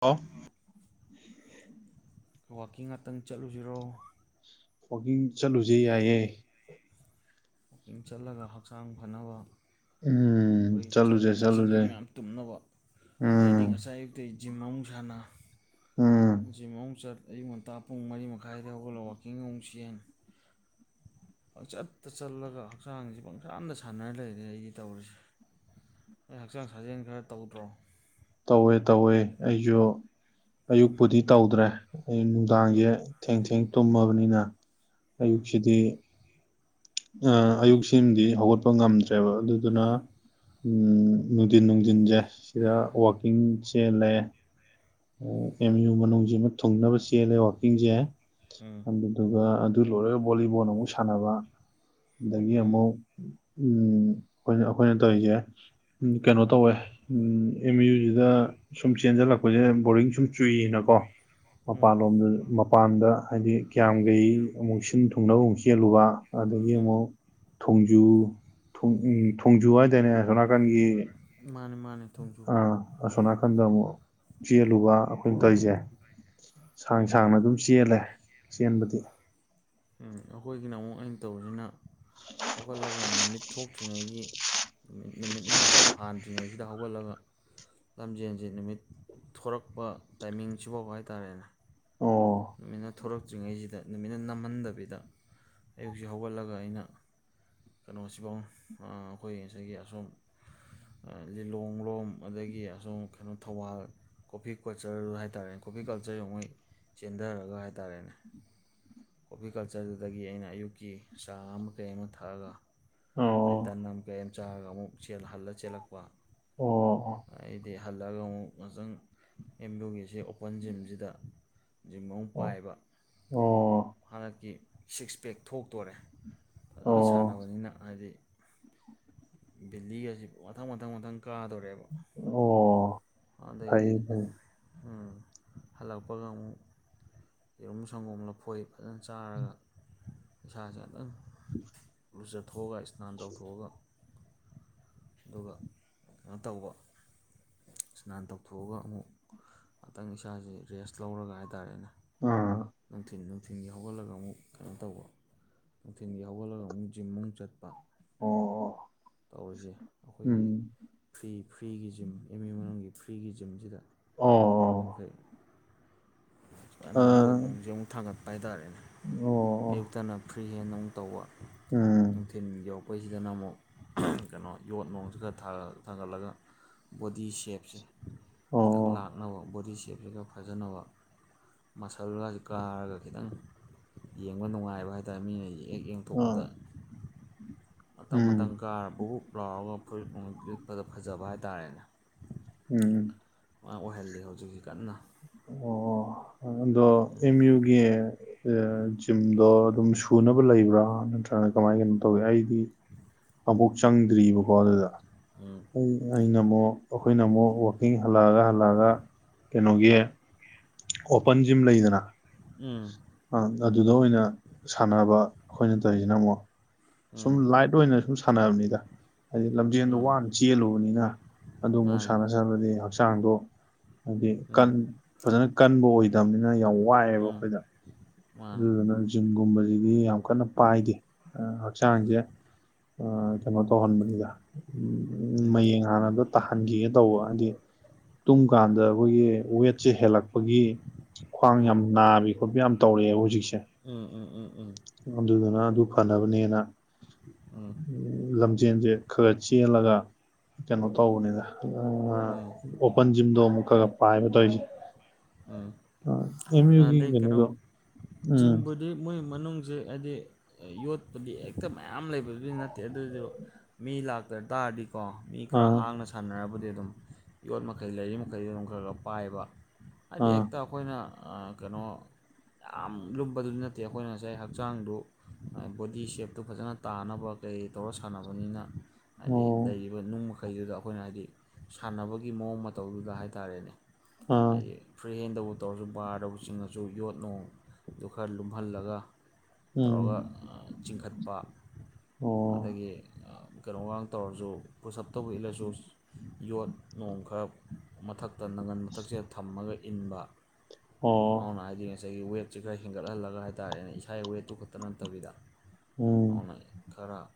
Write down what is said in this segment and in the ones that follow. hello [unintelligible] ꯋꯥꯋꯀꯤꯡ ꯉꯥꯛꯇꯪ ꯆꯠꯂꯨꯁꯤꯔꯣ ꯋꯀꯤꯡ ꯆꯠꯂꯨꯖꯦ ꯌꯥꯏꯌꯦ ꯄꯨꯃꯤꯡ ꯆꯠꯂꯒ ꯍꯛꯆꯥꯡ ꯐꯅꯕ ꯎꯝ ꯑꯩꯈꯣꯏ ꯆꯠꯂꯨꯁꯦ ꯆꯥꯁꯤꯟ ꯆꯠꯂꯨꯁꯦ ꯊꯛꯆꯟꯈꯤꯕ ꯃꯌꯥꯝ ꯇꯨꯝꯅꯕ ꯑꯩꯗꯤ ꯎꯝ ꯉꯁꯥꯏ ꯑꯇꯩ ꯖꯤꯝ ꯑꯨꯛ ꯁꯥꯟꯅ ꯎꯝ ꯖꯤꯝ ꯑꯨꯛ ꯆꯠ ꯑꯌꯨꯛ ꯉꯟꯇꯥ ꯄꯨꯡ ꯃꯔꯤ ꯃꯈꯥꯏꯗ ꯍꯧꯒꯠꯂꯛ ꯋꯥꯛꯀꯤꯡ ꯑꯃꯨꯁꯤꯦꯟ ꯄꯪꯆꯠ ꯇ ꯆꯠꯂꯒ ꯍꯛꯆꯥꯡꯁ ꯄꯪꯁꯥꯗ ꯁꯥꯟꯅꯔ ꯂꯩꯔꯦ ꯑꯩꯒꯤ ꯇꯧꯔꯤꯁꯦ ꯑꯩ ꯍꯛꯆꯥꯡ ꯁꯥꯖꯦꯜ ꯈꯔ ꯇꯧꯗ꯭ꯔꯣ ꯇꯧꯋꯦ ꯇꯧꯋꯦ ꯑꯩꯁꯨ ꯑꯌꯨꯛꯄꯨꯗꯤ ꯇꯧꯗ꯭ꯔꯦ ꯑꯩ ꯎꯝ ꯅꯨꯡꯗꯥꯡꯖꯦ ꯊꯦꯡ ꯊꯦꯡ ꯇꯨꯝꯃꯕꯅꯤꯅ ꯎꯝ ꯑꯌꯨꯛꯁꯤꯗꯤ ꯑ ꯑꯌꯨꯛꯁꯤꯃꯗꯤ ꯍꯧꯒꯠꯄ ꯉꯝꯗ꯭ꯔꯦꯕ ꯑꯗꯨꯗꯨꯅ ꯎ ꯅꯨꯡꯊꯤꯟ ꯅꯨꯡꯊꯤꯟꯁꯦ ꯁꯤꯗ ꯋꯥꯛꯀꯤꯡ ꯆꯦꯜꯂꯦ [unintelligible] ꯑꯦꯝ ꯌꯨ ꯃꯅꯨꯡꯁꯤꯃ ꯊꯨꯡꯅꯕ ꯆꯦꯜꯂꯦ ꯋꯀꯤꯡꯁꯦ ꯎꯝ ꯑꯗꯨꯒ ꯑꯗꯨ ꯂꯣꯏꯔꯒ ꯕꯣꯂꯤꯕꯣꯜ ꯑꯃꯨꯛ ꯁꯥꯟꯅꯕ ꯑꯗꯒꯤ ꯎꯝ ꯑꯃꯨꯛ ꯎꯝ ꯑꯩꯈꯣꯏꯅ ꯑꯩꯈꯣꯏꯅ ꯇꯧꯔꯤꯁꯦ ꯀꯅꯣ ꯇꯧꯋꯦ ꯎ ꯑꯦꯝ ꯌꯨꯖꯤꯗ ꯁꯨꯝ ꯆꯦꯟꯖꯜꯂꯛꯄ ꯕꯣꯔꯤꯡ ꯁꯨꯝ ꯆꯨꯏꯌꯦꯅꯀꯣ ꯎꯝ ꯃꯄꯥꯟꯂꯣꯝꯗ ꯃꯄꯥꯟꯗ ꯍꯥꯏꯗꯤ ꯀꯌꯥꯝꯒꯩ ꯑꯃꯨꯛ ꯁꯤꯟ ꯊꯨꯡꯅꯕ ꯑꯃꯨꯛ ꯆꯦꯜꯂꯨꯕ ꯑꯗꯒꯤ ꯎꯝ ꯑꯃꯨꯛ ꯊꯣꯡꯖꯨ ꯊꯣꯡ ꯎ ꯊꯣꯡꯖꯨ ꯍꯥꯏꯗꯥꯏꯅꯦ ꯑꯁꯣꯝꯅꯥꯀꯟꯒꯤ ꯃꯥꯅꯤ ꯃꯥꯅꯦ ꯑꯥ ꯑꯁꯣ ꯅꯥꯀꯟꯗ ꯑꯃꯨꯛ ꯆꯦꯜꯂꯨꯕ ꯄꯨꯡꯇꯣꯏꯁꯦ ꯁꯥꯡ ꯎꯝ ꯁꯥꯡꯅ ꯑꯗꯨꯝ ꯆꯦꯜꯂꯦ ꯆꯦꯟꯕꯗꯤ ꯎ ꯑꯈꯣꯏꯒꯤꯅ ꯑꯃꯨꯛ ꯑꯩꯅ ꯇꯧꯕꯁꯤꯅ ꯍꯧꯒꯠꯂꯒ ꯅꯨꯃꯤꯠ ꯊꯣꯛꯇ꯭ꯔꯤꯉꯩꯒꯤ ꯅꯨꯃꯤꯠ ꯅꯨꯃꯤꯠꯅ ꯍꯥꯟꯗ꯭ꯔꯤꯉꯩꯁꯤꯗ ꯍꯧꯒꯠꯂꯒ ꯂꯝꯖꯦꯟꯁꯤ ꯅꯨꯃꯤꯠ ꯊꯣꯔꯛꯄ ꯇꯥꯏꯃꯤꯡꯁꯤꯐꯥꯎ ꯍꯥꯏꯇꯥꯔꯦꯅꯦ ꯑꯣ ꯅꯨꯃꯤꯠꯅ ꯊꯣꯔꯛꯇ꯭ꯔꯤꯉꯩꯁꯤꯗ ꯅꯨꯃꯤꯠꯅ ꯅꯝꯍꯟꯗꯕꯤꯗ ꯑꯌꯨꯛꯁꯤ ꯍꯧꯒꯠꯂꯒ ꯑꯩꯅ ꯀꯩꯅꯣꯁꯤꯐꯥꯎ ꯑꯩꯈꯣꯏ ꯉꯁꯥꯏꯒꯤ ꯑꯁꯣꯝ ꯂꯤꯂꯣꯡ ꯂꯣꯝ ꯑꯗꯒꯤ ꯑꯁꯨꯝ ꯀꯩꯅꯣ ꯊꯧꯕꯥꯜ ꯀꯣꯐꯤ ꯀꯜꯆꯔ ꯍꯥꯏꯇꯥꯔꯦꯅꯦ ꯀꯣꯐꯤ ꯀꯜꯆꯔ ꯃꯣꯏ ꯆꯦꯟꯊꯔꯒ ꯍꯥꯏꯇꯥꯥꯔꯦꯅꯦ ꯀꯣꯐꯤꯀꯜꯆꯔꯗꯨꯗꯒꯤ ꯑꯩꯅ ꯑꯌꯨꯛꯀꯤ ꯆꯥ ꯑꯃ ꯀꯩ ꯑꯃ ꯊꯛꯑꯒ ꯑꯗꯩ ꯑꯣ ꯇꯟ ꯑꯃ ꯀꯩ ꯑꯃ ꯆꯥꯔꯒ ꯑꯃꯨꯛ ꯍꯜꯂ ꯆꯦꯜꯂꯛꯄ ꯑꯣ ꯑꯩꯗꯤ ꯍꯜꯂꯛꯑꯒ ꯑꯃꯨꯛ ꯉꯥꯛꯇꯪ ꯑꯦꯝ ꯌꯨꯒꯤꯁꯦ ꯑꯣꯄꯟ ꯖꯤꯝꯁꯤꯗ ꯖꯤꯝ ꯑꯃꯣꯛ ꯑꯣ ꯄꯥꯏꯕ ꯑꯣ ꯍꯟꯗꯛꯀꯤ ꯁꯤꯛꯁ ꯄꯦꯛ ꯊꯣꯛꯇꯣꯔꯦ ꯐꯖꯅ ꯑꯣ ꯁꯥꯟꯅꯕꯅꯤꯅ ꯍꯥꯏꯗꯤ ꯚꯦꯜꯂꯤꯒ ꯑꯁꯤ ꯃꯊꯪ ꯃꯊꯪ ꯃꯊꯪ ꯀꯥꯗꯣꯔꯦꯕ ꯑꯣ ꯑꯗꯒꯤ ꯐꯩꯌꯦ ꯐꯩꯌꯦ ꯎ ꯍꯜꯂꯛꯄꯒ ꯑꯃꯨꯛ ꯌꯦꯔꯨꯝ ꯁꯪꯒꯣꯝ ꯂꯐꯣꯏ ꯐꯖꯅ ꯆꯥꯔꯒ ꯏꯁꯩꯥꯁꯦ ꯑꯗꯨꯇꯪ ꯨ ꯂꯨꯖꯥꯊꯣꯛꯑꯒ ꯏꯁꯅꯥꯟ ꯇꯧꯊꯣꯛꯑꯒ ꯑꯗꯨꯒ ꯀꯩꯅꯣ ꯇꯧꯕ ꯏꯁꯅꯥꯟ ꯇꯧꯊꯣꯛꯑꯒ ꯑꯃꯨꯛ ꯉꯥꯛꯇꯪ ꯏꯁꯥꯁꯦ ꯔꯦꯁ ꯂꯧꯔꯒ ꯍꯥꯏꯇꯥꯔꯦꯅꯦ ꯑꯥ ꯅꯨꯡꯊꯤꯟ ꯅꯨꯡꯊꯤꯟꯒꯤ ꯍꯧꯒꯠꯂꯒ ꯑꯃꯨꯛ ꯀꯩꯅꯣ ꯇꯧꯕ ꯅꯨꯡꯊꯤꯟꯜꯒꯤ ꯍꯧꯒꯠꯂꯒ ꯑꯃꯨꯛ ꯖꯤꯝꯃꯨꯛ ꯆꯠꯄ ꯑꯣ ꯇꯧꯔꯤꯁꯦ ꯑꯩꯈꯣꯏꯒꯤ ꯎꯝ ꯐ꯭ꯔꯤ ꯐ꯭ꯔꯤꯒꯤ ꯖꯤꯝ ꯑꯦꯝ ꯌꯨ ꯃꯅꯨꯡꯒꯤ ꯐ꯭ꯔꯤꯒꯤ ꯖꯤꯝꯁꯤꯗ ꯑꯣꯝꯈꯩ ꯖꯅ ꯌꯣꯠ ꯅꯨꯡꯁꯦ ꯑꯃꯨꯛ ꯊꯥꯡꯒꯠꯄ ꯍꯥꯏꯇꯥꯔꯦꯅꯦ ꯑꯌꯨꯛꯇꯅ ꯐ꯭ꯔꯤ ꯍꯦꯟ ꯑꯃꯨꯛ ꯇꯧꯕ ꯅꯨꯡꯊꯤꯜ ꯌꯧꯔꯛꯄꯩꯁꯤꯗꯅ ꯑꯃꯨꯛ ꯀꯩꯅꯣ ꯌꯣꯠ ꯅꯨꯡꯁꯤ ꯈ ꯊꯥꯒꯠꯂꯒ ꯕꯣꯗꯤ ꯁꯦꯞꯁꯦ ꯈꯤꯇꯪ ꯂꯥꯛꯅꯕ ꯕꯣꯗꯤ ꯁꯦꯞꯁꯦ ꯈꯔ ꯐꯖꯅꯕ ꯃꯁꯜꯒꯁꯤ ꯀꯥꯔꯒ ꯈꯤꯇꯪ ꯌꯦꯡꯕ ꯅꯨꯡꯉꯥꯏꯕ ꯍꯥꯏꯇꯥꯔꯦ ꯃꯤꯉꯪꯁꯦ ꯍꯦꯛ ꯌꯦꯡꯊꯣꯛꯄꯗ ꯃꯇꯪ ꯃꯇꯪ ꯀꯥꯔꯕꯨꯛ ꯂꯥꯎꯔꯒ ꯐꯨꯔꯤꯠ ꯂꯤꯠꯄꯗ ꯐꯖꯕ ꯍꯥꯏꯇꯥꯔꯦꯅꯦ ꯎꯝ ꯑꯣꯏꯍꯜꯂꯤ ꯍꯧꯖꯤꯛꯁꯤ ꯀꯟꯅ ꯑꯦꯝ ꯌꯨꯒꯤ ꯖꯤꯝꯗꯣ ꯑꯗꯨꯝ ꯁꯨꯅꯕ ꯂꯩꯕ꯭ꯔꯥ ꯅꯠꯇ꯭ꯔ ꯅ ꯀꯃꯥꯏ ꯀꯩꯅꯣ ꯇꯧꯏ ꯑꯩꯗꯤ ꯑꯝꯕꯣꯛ ꯆꯪꯗꯔꯤꯕꯀꯣ ꯑꯗꯨꯗ ꯎꯝ ꯄꯨꯡ ꯑꯩꯅ ꯑꯃꯨꯛ ꯑꯩꯈꯣꯏꯅ ꯑꯃꯨꯛ ꯋꯀꯤꯡ ꯍꯜꯂꯛꯑꯒ ꯍꯜꯂꯛꯑꯒ ꯀꯩꯅꯣꯒꯤ ꯑꯣꯄꯟ ꯖꯤꯝ ꯂꯩꯗꯅ ꯎꯝ ꯑ ꯑꯗꯨꯗ ꯑꯣꯏꯅ ꯁꯥꯟꯅꯕ ꯑꯩꯈꯣꯏꯅ ꯇꯧꯔꯤꯁꯤꯅ ꯑꯃꯨꯛ ꯎꯝ ꯁꯨꯝ ꯂꯥꯏꯠ ꯑꯣꯏꯅ ꯁꯨꯝ ꯁꯥꯟꯅꯕꯅꯤꯗ ꯍꯥꯏꯗꯤ ꯂꯝꯖꯦꯟꯗꯣ ꯋꯥꯅ ꯆꯦꯜꯂꯨꯕꯅꯤꯅ ꯑꯗꯨ ꯑꯃꯨꯛ ꯃꯥꯅꯤ ꯁꯥꯟꯅ ꯕꯗꯤ ꯍꯛꯆꯥꯡꯗꯣ ꯍꯥꯏꯗꯤ ꯀ ꯎꯝ ꯐꯖꯅ ꯀꯟꯕ ꯑꯣꯏꯗꯕꯅꯤꯅ ꯌꯥꯝ ꯋ ꯋꯥꯏꯑꯦꯕ ꯎꯝ ꯑꯩꯈꯣꯏꯗ ꯃꯥꯅꯤ ꯑꯗꯨꯗꯨꯅ ꯖꯤꯝꯒꯨꯝꯕꯁꯤꯗꯤ ꯌꯥꯝ ꯀꯟꯅ ꯄꯥꯏꯗꯦ ꯍꯛꯆꯥꯡꯁꯦ ꯑ ꯀꯩꯅꯣ ꯇꯧꯍꯟꯕꯅꯤꯗ ꯃꯌꯦꯡ ꯍꯥꯟꯅ ꯑꯝꯇ ꯇꯥꯍꯟꯈꯤꯒꯦ ꯇꯧꯕ ꯍꯥꯏꯗꯤ ꯇꯨꯝ ꯀꯥꯟꯗ ꯑꯩꯈꯣꯏꯒꯤ ꯋꯦꯠꯁꯦ ꯍꯦꯜꯂꯛꯄꯒꯤ ꯈ꯭ꯋꯥꯡ ꯎꯝ ꯌꯥꯝ ꯅꯥꯕꯤ ꯈꯣꯠꯄꯤ ꯌꯥꯝ ꯇꯧꯔꯛꯑꯦꯕ ꯍꯧꯖꯤꯛꯁꯦ ꯎꯝ ꯎꯝ ꯎꯝ ꯎꯝ ꯑꯗꯨꯗꯨꯅ ꯑꯗꯨ ꯐꯅꯕꯅꯦꯅ ꯎꯝ ꯂꯝꯖꯦꯟꯁꯦ ꯈꯔ ꯆꯦꯜꯂꯒ ꯀꯩꯅꯣ ꯇꯧꯕꯅꯤꯅ ꯎꯝ ꯑꯣꯄꯟ ꯖꯤꯝꯗꯣ ꯑꯃꯨꯛꯀꯒ ꯄꯥꯏꯕ ꯇꯧꯁꯤ ꯎꯝ ꯑ ꯑꯦꯝ ꯌꯨꯒꯤ ꯀꯩꯅꯣꯗꯣ ꯎꯝ ꯖꯤꯛ ꯃꯣꯏ ꯃꯅꯨꯡꯁꯦ ꯍꯥꯏꯗꯤ ꯌꯣꯠꯄꯨꯗꯤ ꯍꯦꯛꯇ ꯃꯌꯥꯝ ꯂꯩꯕꯕꯨꯗꯤ ꯅꯠꯇꯦ ꯑꯗꯨꯖꯨ ꯃꯤ ꯂꯥꯛꯇ ꯇꯥꯔꯗꯤꯀꯣ ꯃꯤ ꯈꯔ ꯑꯥ ꯍꯥꯡꯅ ꯁꯥꯟꯅꯔꯕꯗꯤ ꯑꯗꯨꯝ ꯌꯣꯠ ꯃꯈꯩ ꯂꯩꯔꯤ ꯃꯈꯩꯗꯤ ꯑꯗꯨꯝ ꯈꯔ ꯈꯔ ꯄꯥꯏꯕ ꯍꯥꯏꯗꯤ ꯑꯥ ꯍꯦꯛꯇ ꯑꯈꯣꯏꯅ ꯑ ꯀꯩꯅꯣ ꯌꯥꯝ ꯂꯨꯝꯕꯗꯨꯗꯤ ꯅꯠꯇꯦ ꯑꯩꯈꯣꯏꯅ ꯉꯁꯥꯏ ꯍꯛꯆꯥꯡꯗꯨ ꯕꯣꯗꯤ ꯁꯦꯞꯇꯨ ꯐꯖꯅ ꯇꯥꯅꯕ ꯀꯩ ꯇꯧꯔ ꯁꯥꯟꯅꯕꯅꯤꯅ ꯍꯥꯏꯗꯤ ꯑꯣ ꯂꯩꯔꯤꯕ ꯅꯨꯡ ꯃꯈꯩꯗꯨꯗ ꯑꯩꯈꯣꯏꯅ ꯍꯥꯏꯗꯤ ꯁꯥꯟꯅꯕꯒꯤ ꯃꯑꯣꯡ ꯃꯇꯧꯗꯨꯗ ꯍꯥꯏ ꯇꯥꯔꯦꯅꯦ ꯑꯥ ꯍꯥꯏꯗꯤ ꯐ꯭ꯔꯤ ꯍꯦꯟꯗꯕꯨ ꯇꯧꯔꯁꯨ ꯕꯥꯔꯗꯕꯨ ꯆꯤꯡꯉꯁꯨ ꯌꯣꯠꯅꯨꯡꯗꯨ ꯈꯔ ꯂꯨꯝꯍꯜꯂꯒ ꯎꯝ ꯇꯧꯔꯒ ꯆꯤꯡꯈꯠꯄ ꯑꯣ ꯑꯗꯒꯤ ꯀꯩꯅꯣꯒ ꯇꯧꯔꯁꯨ ꯄꯨꯁꯑꯞꯇꯧꯕ ꯏꯜꯂꯁꯨ ꯌꯣꯠ ꯅꯣꯡ ꯈꯔ ꯃꯊꯛꯇ ꯅꯞ ꯇꯛꯁꯦꯗ ꯊꯝꯃꯒ ꯏꯟꯕ ꯑꯣ ꯑꯗꯨꯅ ꯍꯥꯏꯗꯤ ꯉꯁꯥꯏꯒꯤ ꯋꯦꯠꯁꯤꯦ ꯈꯔ ꯍꯦꯟꯒꯠꯍꯜꯂꯒ ꯍꯥꯏꯇꯥꯔꯦꯅꯦ ꯏꯁꯥꯒꯤ ꯋꯦꯠꯇꯨ ꯈꯛꯇ ꯅꯠꯇꯕꯤꯗ ꯎꯝ ꯍꯥꯎꯅ ꯈꯔ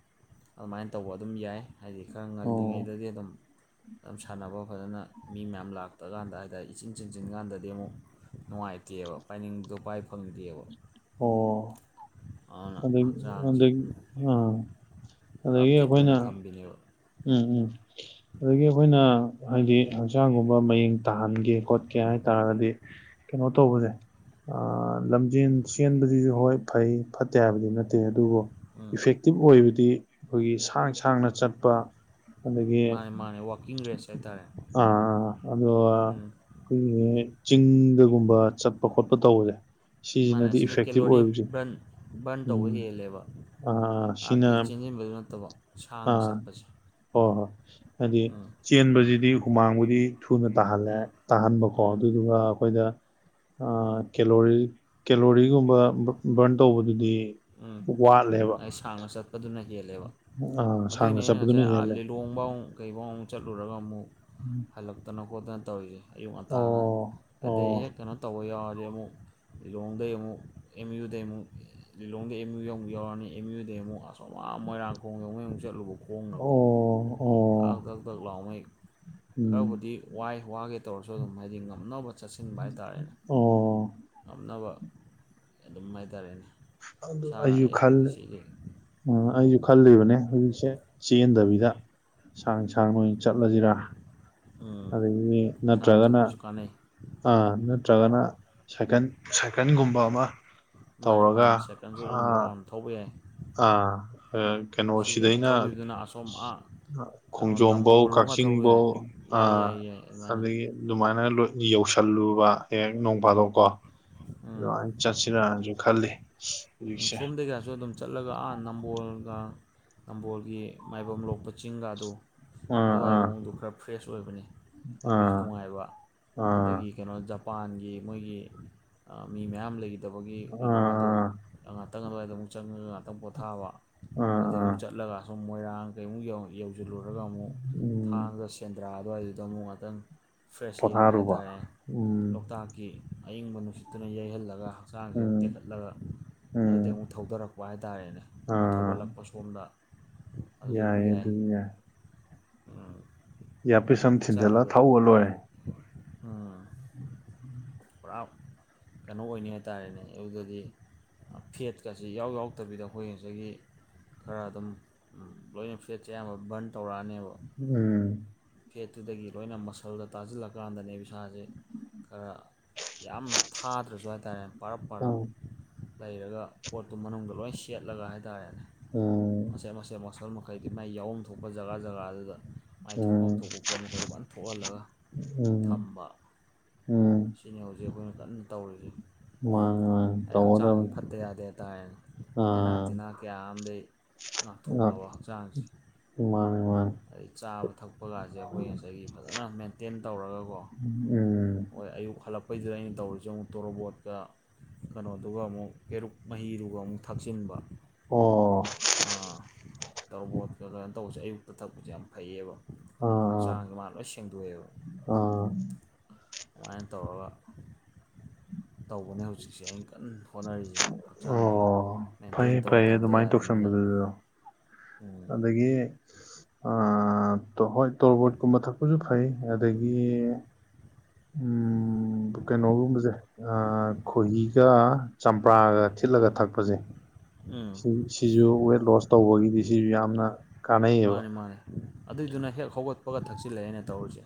ꯑꯗꯨꯃꯥꯏꯅ ꯇꯧꯕ ꯑꯗꯨꯝ ꯌꯥꯏ ꯍꯥꯏꯗꯤ ꯈꯔ ꯑꯣ ꯉꯜꯂꯤꯉꯩꯗꯗꯤ ꯑꯗꯨꯝ ꯑꯗꯨ ꯁꯥꯟꯅꯕ ꯐꯖꯅ ꯃꯤ ꯃꯌꯥꯝ ꯂꯥꯛꯇ ꯀꯥꯟꯗ ꯑꯗ ꯏꯆꯤꯟ ꯆꯤꯡꯁꯤꯟ ꯀꯥꯟꯗꯗꯤ ꯑꯃꯨꯛ ꯅꯨꯡꯉꯥꯏꯇꯦꯕ ꯄꯥꯏꯅꯤꯡꯕꯗꯣ ꯄꯥꯏ ꯐꯪꯗꯦꯕ ꯑꯣ ꯑꯗꯨꯅ ꯑꯗꯒꯤ ꯍꯛꯆꯥꯡꯁꯦ ꯑꯗꯒꯤ ꯑꯥ ꯑꯗꯒꯤ ꯑꯩꯈꯣꯏꯅ ꯕꯤꯅꯤ ꯎꯝ ꯎꯝ ꯑꯗꯒꯤ ꯑꯩꯈꯣꯏꯅ ꯍꯥꯏꯗꯤ ꯍꯛꯆꯥꯡꯒꯨꯝꯕ ꯃꯌꯦꯡ ꯇꯥꯍꯟꯒꯦ ꯈꯣꯠꯀꯦ ꯍꯥꯏꯇꯥꯔꯒꯗꯤ ꯀꯩꯅꯣ ꯇꯧꯕꯅꯦ ꯂꯝꯖꯦꯟ ꯆꯦꯟꯕꯗꯨꯁꯨ ꯍꯣꯏ ꯐꯩ ꯐꯠꯇꯦ ꯍꯥꯏꯕꯗꯤ ꯅꯠꯇꯦ ꯑꯗꯨꯕꯨ ꯎꯝ ꯏꯐꯦꯛꯇꯤꯞ ꯑꯣꯏꯕꯗꯤ ꯑꯩꯈꯣꯏꯒꯤ ꯁꯥꯡ ꯁꯥꯡꯅ ꯆꯠꯄ ꯑꯗꯒꯤ ꯃꯥꯅꯦ ꯃꯥꯅꯦ ꯋꯥꯛꯀꯤꯡ ꯔꯦꯁ ꯍꯥꯏꯇꯥꯔꯦ ꯑ ꯑꯗꯣ ꯎꯝ ꯑꯩꯈꯣꯏꯒꯤ ꯆꯤꯡꯗꯒꯨꯝꯕ ꯆꯠꯄ ꯈꯣꯠꯄ ꯇꯧꯕꯁꯦ ꯃꯥꯅ ꯁꯤꯁꯤꯅꯗꯤ ꯑꯁꯤꯅ ꯏꯐꯦꯛꯇꯤꯞ ꯀꯦꯂꯣꯔꯤ ꯑꯣꯏꯕꯁꯦ ꯕꯔꯟ ꯕꯔꯟ ꯇꯧꯕ ꯎꯝ ꯍꯦꯜꯂꯦꯕ ꯑ ꯁꯤꯅ ꯉꯥꯏꯍꯥꯛꯀꯤ ꯆꯦꯟꯁꯤꯟꯕꯗꯨ ꯅꯠꯇꯕ ꯑꯥ ꯍ ꯁꯥꯡꯅ ꯆꯠꯄꯁꯦ ꯍꯣꯏ ꯍꯥꯏꯗꯤ ꯎꯝ ꯆꯦꯟꯕꯁꯤꯗꯤ ꯍꯨꯃꯥꯡꯕꯨꯗꯤ ꯊꯨꯅ ꯇꯥꯍꯜꯂꯦ ꯎꯝ ꯇꯥꯍꯟꯕꯀꯣ ꯎꯝ ꯑꯗꯨ ꯑꯗꯨꯒ ꯑꯩꯈꯣꯏꯅ ꯀꯦꯂꯣꯔꯤ ꯀꯦꯂꯣꯔꯤꯒꯨꯝꯕ ꯕꯔꯟ ꯇꯧꯕꯗꯨꯗꯤ ꯎꯝ ꯋꯥꯠꯂꯦꯕ ꯑꯩ ꯁꯥꯡꯅ ꯆꯠꯄꯗꯨꯅ ꯍꯦꯜꯂꯦꯕ ꯑꯥ ꯑꯗꯨꯏꯅꯦ ꯁꯥꯡꯅ ꯑꯩꯅ ꯆꯠꯄꯗꯨꯅ ꯉꯁꯥꯏ ꯑꯥ ꯍꯦꯜꯂꯦ ꯂꯤꯂꯣꯡ ꯈꯣꯡꯕꯥꯎ ꯀꯩꯐꯥꯎ ꯑꯃꯨꯛ ꯆꯠꯂꯨꯔꯒ ꯑꯃꯨꯛ ꯎꯝ ꯍꯜꯂꯛꯇꯅ ꯈꯣꯠꯇꯅ ꯇꯧꯔꯤꯑꯦ ꯑꯌꯨꯛ ꯉꯟꯇꯥꯅ ꯑꯣ ꯑꯣ ꯑꯗꯩ ꯍꯦꯛ ꯀꯩꯅꯣ ꯇꯧꯕ ꯌꯥꯎꯔꯗꯤ ꯑꯃꯨꯛ ꯂꯤꯂꫭꯡꯗꯥꯏ ꯑꯃꯨꯛ ꯑꯦꯝ ꯌꯨ ꯗꯥꯒꯤ ꯑꯃꯨꯛ ꯂꯤꯂꯣꯡꯗ ꯑꯦꯝ ꯌꯨ ꯌ ꯑꯃꯨꯛ ꯌꯥꯎꯔꯅꯤ ꯑꯦꯝ ꯌꯨꯗ ꯑꯃꯨꯛ ꯑꯁꯝ ꯃꯣꯏꯔꯥꯡꯈꯣꯡ ꯌꯧ ꯑꯃꯨꯛ ꯆꯠꯂꯨꯕ ꯈꯣꯡꯅꯀꯣ ꯑꯣ ꯑꯣ ꯑꯜ UNINTELLIGIBLE ꯎꯝ ꯈꯔꯕꯨꯗꯤ ꯋꯥꯏ ꯋꯥꯒꯦ ꯇꯧꯔꯁꯨ ꯑꯗꯨꯝ ꯍꯥꯏꯗꯤ ꯉꯝꯅꯕ ꯆꯠꯁꯤꯟꯕ ꯍꯥꯏꯇꯥꯥꯔꯦꯅꯦ ꯑꯣ ꯉꯝꯅꯕ ꯑꯗꯨꯝ ꯍꯥꯏꯇꯥꯔꯦꯅꯦ ꯁꯥꯅꯑ ꯁꯤꯒꯤ ꯑꯥ ꯑꯩꯁꯨ ꯈꯜꯂꯤꯕꯅꯦ ꯍꯧꯖꯤꯛꯁꯦ ꯆꯦꯟꯗꯕꯤꯗ ꯁꯥꯡ ꯁꯥꯡꯅ ꯑꫭꯏꯅ ꯆꯠꯂꯁꯤꯔꯥ ꯑꯗꯥꯒꯤ ꯁꯥꯡꯅ ꯅꯠꯇ꯭ꯔꯒꯅ ꯆꯠꯄꯁꯨ ꯀꯥꯟꯅꯩ ꯑ ꯅꯠꯇ꯭ꯔꯒꯅ ꯁꯥꯏꯀꯜ ꯁꯥꯏꯀꯜꯒꯨꯝꯕ ꯑꯃ ꯃꯥꯅꯤ ꯇꯧꯔꯒ ꯃꯥꯅꯤ ꯁꯦꯀꯟꯁꯨ ꯑꯗꯨꯝ ꯑꯥ ꯔꯥꯎꯟ ꯊꯧꯕ ꯌꯥꯏ ꯑꯥ ꯀꯩꯅꯣ ꯁꯤꯗꯒꯤ ꯁꯤꯗꯩꯅ ꯊꯧꯈꯤꯕꯗꯨꯅ ꯑꯁꯣꯝ ꯑꯥ ꯀꯩꯅꯣ ꯈꯣꯡꯖꯣꯝꯐꯧ ꯅꯝꯕꯣꯜ ꯂꯣꯝꯒ ꯊꯧ ꯌꯥꯏ ꯀꯛꯆꯤꯡꯐꯧ ꯑ ꯌꯥꯏ ꯌꯥꯏ ꯌꯥꯏ ꯑꯗꯨꯃꯥꯏꯅ ꯑꯗꯥꯒꯤ ꯑꯗꯨꯃꯥꯏꯅ ꯌꯧꯁꯜꯂꯨꯕ ꯍꯦꯛ ꯅꯣꯡ ꯐꯥꯗꯣꯛꯀꯣ ꯎꯝ ꯑꯗꯨꯃꯥꯏ ꯆꯠꯁꯤꯔꯛꯅꯁꯨ ꯈꯜꯂꯤ ꯎꯝ ꯍꯧꯖꯤꯛꯁꯦ ꯁꯣꯝꯗꯩꯒ꯭ꯌꯥꯁꯁꯨ ꯑꯗꯨꯝ ꯆꯠꯂꯒ ꯑꯥ ꯅꯝꯕꯣꯜꯒ ꯅꯝꯕꯣꯜꯒꯤ ꯃꯥꯏꯕꯝ ꯂꯣꯛꯄ ꯆꯤꯡꯒꯗꫭ ꯑꯥ ꯑꯗꯨꯋꯥ ꯑꯥ ꯃꯑꯣꯡꯗꯨ ꯈꯔ ꯐ꯭ꯔꯦꯁ ꯑꯣꯏꯕꯅꯤ ꯂꯝꯕꯤꯁꯨ ꯑꯥ ꯅꯨꯡꯉꯥꯏꯕ ꯑꯥ ꯑꯗꯒꯤ ꯀꯩꯅꯣ ꯖ ꯖꯄꯥꯟꯒꯤ ꯃꯣꯏꯒꯤ ꯃꯤ ꯃꯌꯥꯝ ꯂꯩꯗꯕꯒꯤ ꯀꯩꯅꯣꯒꯗꯣ ꯑꯥ ꯉꯥꯛꯇꯪ ꯑꯗꯨꯋꯥꯏꯗ ꯑꯃꯨꯛ ꯆꯪꯉꯒ ꯉꯥꯛꯇꯪ ꯄꯣꯊꯥꯕ ꯑꯥ ꯑꯗꯨꯗꯩ ꯑꯥ ꯑꯃꯨꯛ ꯆꯠꯂꯒ ꯁꯨꯝ ꯃꯣꯏꯔꯥꯡ ꯀꯩꯃꯨꯛ ꯌꯧꯁꯤꯜꯂꯨꯔꯒ ꯑꯃꯨꯛ ꯎꯝ ꯊꯥꯡꯉꯒ ꯁꯦꯟꯗ꯭ꯔꯥ ꯑꯗꯨꯋꯥꯏꯗꯨꯗ ꯑꯃꯨꯛ ꯉꯥꯛꯇꯪ ꯐ꯭ꯔꯦꯁ ꯏꯌꯥꯔ ꯄꯣꯊꯥꯔꯨꯕ ꯍꯥꯏꯇꯥꯔꯦ ꯎꯝ ꯂꯣꯛꯇꯥꯛꯀꯤ ꯑꯌꯪꯕ ꯅꯨꯡꯁꯤꯠꯇꯨꯅ ꯌꯩꯍꯜꯂꯒ ꯍꯛꯆꯥꯡꯁꯦ ꯑꯃꯨꯛ ꯎꯝ ꯇꯦꯛꯈꯠꯂꯒ ꯑꯗꯨꯗꯤ ꯎꯝ ꯑꯃꯨꯛ ꯊꯧꯗꯔꯛꯄ ꯍꯥꯏꯇꯥꯔꯦꯅꯦ ꯑꯃꯨꯛ ꯑꯥ ꯊꯧꯒꯠꯂꯛꯄ ꯁꯣꯝꯗ ꯌꯥꯏꯌꯦ ꯑꯗꯨꯝ ꯌꯥꯏ ꯌꯥꯄꯤꯁ ꯑꯃ ꯊꯤꯟꯖꯜꯂꯒ ꯊꯧꯑ ꯂꯣꯏꯔꯦ ꯑꯥ ꯄꯨꯔꯥ ꯀꯩꯅꯣ ꯑꯣꯏꯅꯤ ꯍꯥꯏꯇꯥꯔꯦꯅꯦ ꯑꯌꯨꯛꯇꯗꯤ ꯐꯦꯠꯀꯁꯤ ꯌꯥꯎ ꯌꯥꯎꯗꯕꯤꯗ ꯑꯩꯈꯣꯏ ꯉꯁꯥꯏꯒꯤ ꯈꯔ ꯑꯗꯨꯝ ꯂꯣꯏꯅ ꯐꯦꯠꯁꯦ ꯑꯌꯥꯝꯕ ꯕꯟ ꯇꯧꯔꯛꯑꯅꯦꯕ ꯎꯝ ꯐꯦꯠꯇꯨꯗꯒꯤ ꯂꯣꯏꯅ ꯃꯁꯜꯗ ꯇꯥꯁꯤꯜꯂꯀꯥꯟꯗꯅꯦ ꯏꯁꯥꯁꯦ ꯈꯔ ꯌꯥꯝ ꯊꯥꯗ꯭ꯔꯁꯨ ꯍꯥꯏꯇꯥꯔꯦ ꯄꯔꯞ ꯄꯔꯞ ꯎꯝ ꯂꯩꯔꯒ ꯄꯣꯠꯇꯨ ꯃꯅꯨꯡꯗ ꯂꯣꯏ ꯁꯦꯠꯂꯒ ꯍꯥꯏꯇꯥꯔꯦꯅꯦ ꯎꯝ ꯃꯆꯦꯠ ꯃꯆꯦꯠ ꯃꯁꯜ ꯃꯈꯩꯒꯤ ꯃꯥꯏ ꯌꯥꯎꯐꯝ ꯊꯣꯛꯄ ꯖꯒꯥ ꯖꯒꯥꯗꯨꯗ ꯃꯥꯏ ꯊꯣꯛ ꯐꯐ [unintelligible] ꯎꯝ ꯝ ꯊꯣꯛꯄ ꯄꯣꯠ ꯃꯈꯩꯗꯨꯃꯣꯏꯅ ꯊꯣꯛꯍꯜꯂꯒ ꯎꯝ ꯊꯝꯕ ꯎꯝ ꯁꯤꯅꯤ ꯍꯧꯖꯤꯛ ꯑꯩꯈꯣꯏꯅ ꯀꯟꯅ ꯇꯧꯔꯤꯁꯦ ꯃꯥꯅꯤ ꯃꯥꯅꯤ ꯑꯩ ꯍꯛꯆꯥꯡꯖꯤ ꯇꯧꯒꯗꯕꯅꯤ ꯐꯠꯇ ꯌꯥꯗꯦ ꯍꯥꯏꯇꯥꯔꯦꯅꯥ ꯂꯩꯅꯥ ꯑꯥ ꯇꯤꯟꯅꯥ ꯀꯌꯥꯝꯃꯗꯩ ꯑꯥ ꯉꯥꯛꯊꯣꯛꯅꯕ ꯍꯛꯆꯥꯡꯁꯤ ꯃꯥꯅꯦ ꯃꯥꯅꯦ ꯑꯩ ꯆꯥꯕ ꯊꯛ ꯊꯛꯄ ꯀꯥꯁꯦ ꯑꯩꯈꯣꯏ ꯉꯁꯥꯏꯒꯤ ꯐꯖꯅ ꯃꯦꯟꯇꯦꯟ ꯇꯧꯔꯒꯀꯣ ꯎꯝ ꯍꯣꯏ ꯑꯌꯨꯛ ꯍꯜꯂꯛꯄꯩꯗꯨꯗ ꯑꯩꯅ ꯇꯧꯔꯤꯁꯦ ꯑꯃꯨꯛꯇꯣꯔꯣꯕꯣꯠꯀ ꯀꯩꯅꯣꯗꯨꯒ ꯑꯃꯨꯛ ꯄꯦꯔꯨꯛ ꯃꯍꯤꯗꯨꯒ ꯑꯃꯨꯛ ꯊꯥꯛꯆꯤꯟꯕ ꯑꯣ ꯑꯥ ꯇꯔꯕꯣꯠ ꯑꯗꯥꯏꯅ ꯇꯧꯕꯁꯦ ꯑꯌꯨꯛꯇ ꯊꯛꯄꯁꯦ ꯌꯥꯝ ꯐꯩꯌꯦꯕ ꯑꯥ ꯍꯛꯆꯥꯡꯁ ꯃꯥ ꯂꯣꯏ ꯁꯦꯡꯗꯣꯛꯑꯦꯕ ꯑꯥ ꯑꯗꯨꯃꯥꯏꯅ ꯇꯧꯔꯒ ꯇꯧꯕꯅꯦ ꯍꯧꯖꯤꯛꯁꯦ ꯑꯩꯅ ꯀꯟꯅ ꯍꯣꯠꯅꯔꯤꯁꯦ ꯍꯛꯆꯥꯡꯁꯦ ꯑꯣ ꯃꯦꯟꯇꯦꯟ ꯐꯩꯌꯦ ꯇꯧꯔ ꯐꯩꯌꯦ ꯊꯝꯗ ꯑꯗꯨꯃꯥꯏꯅ ꯌꯥꯗꯕꯅꯤꯅ ꯇꯧꯁꯟꯕꯗꯨꯁꯨ ꯎꯝ ꯑꯗꯒꯤ ꯑꯥ ꯑꯥ ꯍꯣꯏ ꯇꯣꯔꯕꯣꯠꯀꯨꯝꯕ ꯊꯛꯄꯁꯨ ꯐꯩ ꯑꯗꯒꯤ ꯎꯝ ꯀꯩꯅꯣꯒꯨꯝꯕꯁꯦ ꯑꯥ ꯈꯣꯏꯍꯤꯒ ꯆꯝꯄ꯭ꯔꯥꯒ ꯊꯤꯠꯂꯒ ꯊꯛꯄꯁꯤ ꯎꯝ ꯁꯤꯁꯨ ꯋꯦꯠ ꯂꯣꯁ ꯇꯧꯕꯒꯤꯗꯤ ꯁꯤꯁꯨ ꯌꯥꯝꯅ ꯀꯥꯟꯅꯩꯌꯦꯕ ꯃꯥꯅꯤ ꯃꯥꯅꯤ ꯑꯗꯨꯏꯗꯨꯅ ꯍꯦꯛ ꯍꯧꯒꯠꯄꯒ ꯊꯛꯆꯤꯜꯂ‌ꯦ ꯑꯩꯅ ꯇꯧꯔꯤꯁꯦ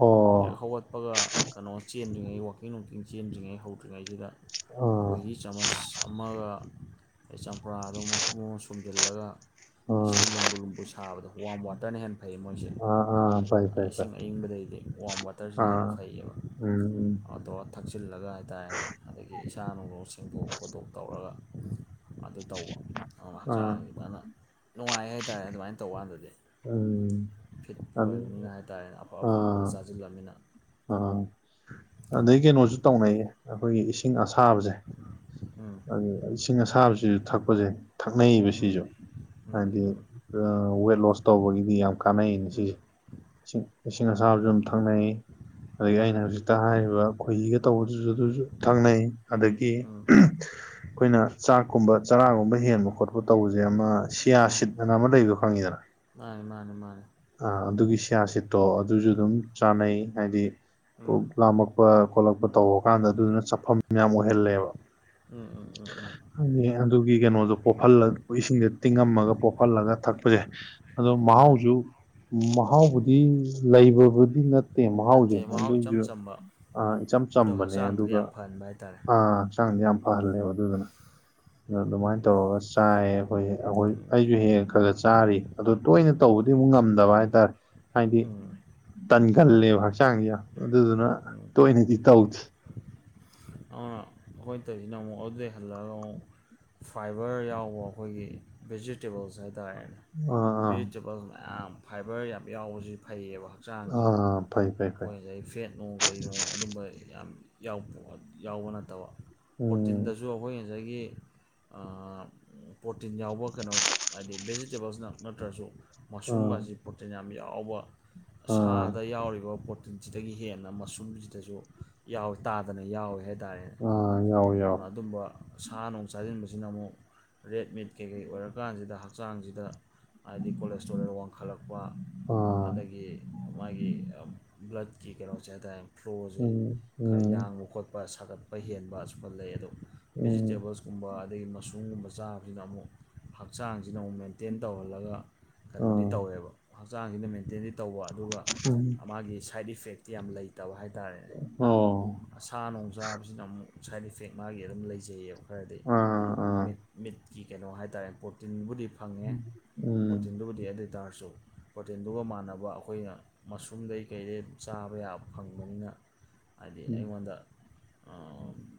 ꯑꯣ ꯍꯦꯛ ꯍꯧꯒꯠꯄꯒ ꯀꯩꯅꯣ ꯆꯦꯟꯗ꯭ꯔꯤꯉꯩ ꯋꯥꯀꯤꯡ ꯅꯨꯡꯀꯤꯡ ꯆꯦꯟꯗ꯭ꯔꯤꯉꯩ ꯍꯧꯗ꯭ꯔꯤꯉꯩꯁꯤꯗ ꯑꯥ ꯑꫭꯏꯍꯤ ꯆꯥꯃꯁ ꯑꯃꯒ ꯑꯗꯩ ꯆꯝꯄ꯭ꯔꯥꯗꯣ ꯃꯄꯨꯝ ꯑꯃꯥ ꯁꯨꯝꯖꯤꯜꯂꯒ ꯑꯥ ꯏꯁꯤꯡ ꯂꯨꯝꯕꯨ ꯂꯨꯝꯕꯨ ꯁ ꯑꯗꯣ ꯋꯥꯔꯝ ꯋꯥꯇꯔꯅ ꯍꯦꯟꯅ ꯐꯩ ꯃꯣꯏꯁꯦ ꯑꯥ ꯑꯥ ꯐꯩ ꯐꯩ ꯐꯩ ꯏꯁꯤꯡ ꯑꯏꯪꯕꯗꯩꯗꯤ ꯋꯥꯔꯝ ꯋꯥꯇꯔꯁꯤꯅ ꯍꯦꯟꯅ ꯑꯥ ꯐꯩꯌꯦꯕ ꯎꯝ ꯑꯗꫭ ꯊꯛꯆꯤꯜꯂꯒ ꯍꯥꯏꯇꯥꯔꯦꯅꯦ ꯑꯗꯒꯤ ꯏꯁꯥ ꯅꯨꯡ ꯁꯦꯡꯗꯣꯛ ꯈꯣꯠꯇꯣꯛ ꯇꯧꯔꯒ ꯑꯗꯨ ꯇꯧꯕ ꯑ ꯑꯥ ꯍꯛꯆꯥꯡꯖꯤ ꯐꯖꯅ ꯅꯨꯡꯉꯥꯏ ꯍꯥꯏꯇꯥꯔꯦ ꯑꯗꯨꯃꯥꯏꯅ ꯇꯧꯕꯀꯥꯟꯗꯗꯤ ꯎꯝ ꯐꯤꯠ ꯑꯗꯨ ꯑꯣꯏꯕꯅꯤꯅ ꯍꯥꯏ ꯇꯥꯔꯦꯅꯦ ꯑꯐ ꯑꯐꯥꯕ ꯉꯥꯛꯇ ꯆꯥꯁꯤꯜꯂꯕꯅꯤꯅ ꯑ ꯑꯗꯩ ꯀꯩꯅꯣꯁꯨ ꯇꯧꯅꯩꯅ‌ꯦ ꯑꯩꯈꯣꯏꯒꯤ ꯏꯁꯤꯡ ꯑꯁꯥꯕꯁꯦ ꯎꯝ ꯏꯁꯤꯡ ꯑꯁꯥꯕꯁꯤꯁꯨ ꯊꯛꯄꯁꯦ ꯎꯝ ꯊꯛꯅꯩꯕꯁꯤꯁꯨ ꯎꯝ ꯍꯥꯏꯗꯤ ꯋꯦꯠ ꯂꯣꯁ ꯇꯧꯕꯒꯤꯗꯤ ꯌꯥꯝ ꯀꯥꯟꯅꯩ ꯎꯝ ꯁꯤꯁꯦ ꯏꯁꯤꯡ ꯏꯁꯤꯡ ꯑꯁꯥꯕꯁꯨ ꯑꯗꯨꯝ ꯊꯛꯅꯩ ꯑꯗꯒꯤ ꯑꯩꯅ ꯍꯧꯖꯤꯛꯇ ꯍꯥꯏꯒꯤꯕ ꯈꯣꯏꯍꯤꯒ ꯇꯧꯕꯗꯨꯁꯨ ꯑꯗꯨꯁꯨ ꯊꯛꯅꯩ ꯑꯗꯒꯤ ꯎꯝ ꯑꯩꯈꯣꯏꯅ ꯆꯥꯛꯀꯨꯝꯕ ꯆꯔꯥꯒꯨꯝꯕ ꯍꯦꯟꯕ ꯈꯣꯠꯄ ꯇꯧꯕꯁꯦ ꯑꯃ ꯁꯤꯌꯥ ꯁꯤꯠ ꯑꯅ ꯑꯃ ꯂꯩꯕꯗꯣ ꯈꯪꯉꯤꯗꯅ ꯃꯥꯅꯦ ꯃꯥꯅꯦ ꯃꯥꯅꯦ ꯑꯥ ꯑꯗꯨꯒꯤ ꯁꯤꯌꯥꯁꯤꯠꯇꯣ ꯑꯗꯨꯁꯨ ꯑꯗꯨꯝ ꯆꯥꯅꯩ ꯍꯥꯏꯗꯤ ꯄꯨ ꯎꯝ ꯂꯥꯃꯛ ꯄ ꯈꯣꯠꯂꯛꯄ ꯇꯧꯕ ꯀꯥꯟꯗ ꯑꯗꯨꯗꯨꯅ ꯆꯞꯐꯝ ꯌꯥꯝ ꯑꯣꯏꯍꯜꯂꯦꯕ ꯎꯝ ꯎꯝ ꯎꯝ ꯎꯝ ꯑꯗꯨꯒꯤ ꯀꯩꯅꯣꯗꯣ ꯄꯣꯍꯜꯂ ꯏꯁꯤꯡꯗ ꯇꯤꯡꯉꯝꯃꯒ ꯄꯣꯍꯜꯂꯒ ꯊꯛꯄ ꯌꯥꯏ ꯑꯗꯣ ꯃꯥꯅꯤ ꯃꯍꯥꯎꯁꯨ ꯃꯍꯥꯎꯕꯨꯗꯤ ꯂꯩꯕꯕꯨꯗꯤ ꯅꯠ ꯇꯦ ꯃꯍꯥꯎꯖꯨ ꯅꯠꯇꯦ ꯃꯍꯥꯎ ꯏꯆꯝ ꯑꯗꯨꯏꯁꯨ ꯆꯝꯕ ꯑꯥ ꯏꯆꯝ ꯑꯗꯣ ꯆꯝꯕꯅꯦ ꯍꯛꯆꯥꯡꯗꯗꯤ ꯑꯗꯨꯒ ꯌꯥꯝ ꯐꯍꯟꯕ ꯍꯥꯏꯇꯥꯔꯦ ꯑ ꯍꯛꯆꯥꯡꯁꯦ ꯌꯥꯝ ꯐꯍꯜꯂꯦꯕ ꯑꯗꯨꯗꯨꯅ ꯑ ꯎꯝ ꯑꯗꯨꯃꯥꯏꯅ ꯇꯧꯔꯒ ꯆꯥꯏꯑ ꯑꯩꯈꯣꯏ ꯑꯩꯈꯣꯏ ꯎꯝ ꯑꯩꯁꯨ ꯍꯦꯛ ꯍ‌ꯦꯛ ꯈꯒꯔꯥ ꯆꯥꯔꯤ ꯑꯗꯨ ꯇꯣꯏꯅ ꯇꯧꯕꯗꯤ ꯎꯝ ꯑꯃꯨꯛ ꯉꯝꯗꯕ ꯍꯥꯏꯇꯥꯔꯦ ꯍꯥꯏꯗꯤ ꯇꯟꯒꯜꯂꯦꯕ ꯍꯛꯆꯥꯡꯁ‌ꯦ ꯌꯥꯝ ꯑꯗꯨꯗꯨꯅ ꯎꯝ ꯎꯝ ꯇꯣꯏꯅꯗꯤ ꯇꯧꯗ‌ꯦ ꯑꯗꯨꯅ ꯑꯩꯈꯣꯏꯅ ꯇꯧꯁꯤꯅ ꯑꯃꯨꯛ ꯑꯗꯨꯗꯩ ꯍꯜꯂꯑꯒ ꯑꯃꯨꯛ ꯐꯥꯏꯕꯔ ꯌꯥꯎꯕ ꯑꯩꯈꯣꯏꯒꯤ ꯚꯦꯖꯤꯇꯦꯕꯜꯁ ꯍꯥꯏꯇꯥꯔꯦꯅꯦ ꯑꯥ ꯑꯥ ꯚꯤꯖꯤꯇꯦꯕꯜ ꯃꯌꯥꯝ ꯐꯥꯏꯕꯔ ꯌꯥꯝ ꯌꯥꯎꯕꯁꯤ ꯐꯩꯌꯦꯕ ꯍꯛꯆꯥꯡꯁꯦ ꯑꯥ ꯐꯩ ꯐꯩ ꯐꯩ ꯑꯩꯈꯣꯏ ꯉꯁꯥꯏ ꯐꯦꯠ ꯅꯨꯡ ꯀꯩꯅꯣ ꯑꯗꯨꯝꯕ ꯌꯥꯝ ꯌꯥꯎꯕ ꯅꯠꯇꯕ ꯎꯝ ꯄꯣꯔꯇꯤꯟꯗꯁꯨ ꯗꯣ ꯑꯩꯈꯣꯏ ꯉꯁꯥꯏꯒꯤ ꯄ꯭ꯔꯣꯇꯤꯟ ꯌꯥꯎꯕ ꯀꯩꯅꯣ ꯍꯥꯏꯗꯤ ꯚꯦꯖꯤꯇꯦꯕꯜꯁꯅ ꯅꯠꯇ꯭ꯔꯁꯨ ꯑꯥ ꯃꯁꯔꯨꯝꯒꯁꯤ ꯄ꯭ꯔꯣꯇꯤꯟ ꯌꯥꯝ ꯌꯥꯎꯕ ꯑꯥ ꯁꯥꯗ ꯌꯥꯎꯔꯤꯕ ꯑꯗꯨꯒ ꯄ꯭ꯔꯣꯇꯤꯟꯁꯤꯗꯒꯤ ꯍꯦꯟꯅ ꯃꯁꯨꯝꯁꯤꯗꯁꯨ ꯌꯥꯎꯋ ꯇꯥꯗꯅ ꯌꯥꯎꯋꯦ ꯍꯥꯏꯇꯥꯔꯦꯅꯦ ꯑꯥ ꯌꯥꯎꯋꯦ ꯑꯗꯨꯅ ꯌꯥꯎꯋꯦ ꯑꯗꯨꯝꯕ ꯁꯥ ꯅꯨꯡ ꯆꯥꯁꯤꯟꯕꯁꯤꯅ ꯑꯃꯨꯛ ꯔꯦꯗꯃꯤꯠ ꯀꯩꯀꯩ ꯑꯣꯏꯔꯀꯥꯟꯁꯤꯗ ꯍꯛꯆꯥꯡꯁꯤꯗ ꯍꯥꯏꯗꯤ ꯀꯣꯂꯦꯁꯇꯣꯔꯦꯜ ꯋꯥꯡꯈꯠꯂꯛꯄ ꯑꯥ ꯑꯗꯒꯤ ꯃꯥꯒꯤ ꯕ꯭ꯂꯠ ꯀꯤ ꯀꯩꯅꯣꯁꯦ ꯍꯥꯏꯇꯥꯔꯦ ꯐ꯭ꯂꯣꯁꯦ ꯎꯝ ꯈꯔ ꯎꯝ ꯌꯥꯡꯕ ꯈꯣꯠꯄ ꯁꯥꯒꯠꯄ ꯍꯦꯟꯕ ꯑꯁꯨꯨꯝꯕ ꯂꯩ ꯑꯗꯣ ꯚꯦꯖꯤꯇꯦ ꯎꯝ ꯇꯦꯕꯜꯁ ꯀꯨꯝꯕ ꯑꯗꯒꯤ ꯃꯁꯔꯨꯝꯒꯨꯝꯕ ꯆꯥꯕꯁꯤꯅ ꯑꯃꯨꯛ ꯍꯛꯆꯥꯡꯁꯤꯅ ꯑꯃꯨꯛ ꯃꯦꯟꯇꯦꯟ ꯇꯧꯍꯜꯂꯒ ꯀꯩꯅꯣꯗꯤ ꯑꯥ ꯇꯧꯋꯦꯕ ꯍꯛꯆꯥꯡꯁꯤꯅ ꯃꯦꯟꯇꯦꯟꯗꯤ ꯇꯧꯕ ꯑꯗꯨꯒ ꯎꯝ ꯃꯥꯒꯤ ꯁꯥꯏꯠ ꯏꯐꯦꯛ ꯌꯥꯝ ꯂꯩꯇꯕ ꯍꯥꯏꯇꯥꯔꯦ ꯑꯣ ꯁꯥ ꯅꯨꯡ ꯆꯥꯕꯁꯤꯅ ꯑꯃꯨꯛ ꯁꯥꯏꯠ ꯏꯐꯦꯛ ꯃꯥꯒꯤ ꯑꯗꯨꯝ ꯂꯩꯖꯩꯌꯦꯕ ꯈꯔꯗꯤ ꯑꯥ ꯑꯥ ꯃꯤꯠ ꯃꯤꯠꯀꯤ ꯀꯩꯅꯣ ꯍꯥꯏꯇꯥꯔꯦ ꯄ꯭ꯔꯣꯇꯤꯟꯕꯨꯗꯤ ꯐꯪꯉꯦ ꯎꯝ ꯄꯣꯔꯇꯤꯟꯗꯨꯕꯨꯗꯤ ꯑꯗꯨ ꯑꯣꯏꯇꯥꯔꯁꯨ ꯄ꯭ꯔꯣꯇꯤꯟꯗꯨꯒ ꯃꯥꯟꯅꯕ ꯑꯩꯈꯣꯏꯅ ꯃꯁꯔꯨꯝꯗꯩ ꯀꯩꯗꯩ ꯆꯥꯕ ꯌꯥꯕ ꯐꯪꯕꯅꯤꯅ ꯍꯥꯏꯗꯤ ꯎꯝ ꯑꯩꯉꯣꯟꯗ